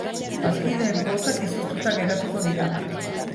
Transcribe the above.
Bazkideen kuotak izoztuta geratuko dira.